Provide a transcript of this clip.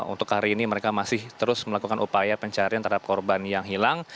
untuk hari ini mereka masih terus melakukan upaya pencarian terhadap korban yang hilang